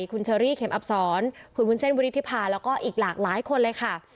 คุณเชอรี่เข็มอับศรคุณวุ้นเส้นวิริธิภาแล้วก็อีกหลากหลายคนเลยค่ะ